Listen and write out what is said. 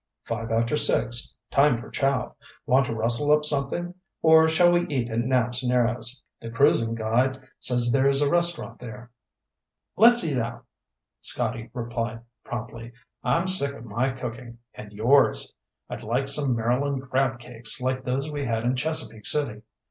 "Five after six. Time for chow. Want to rustle up something? Or shall we eat at Knapps Narrows? The cruising guide says there's a restaurant there." "Let's eat out," Scotty replied promptly. "I'm sick of my cooking and yours. I'd like some Maryland crab cakes like those we had in Chesapeake City."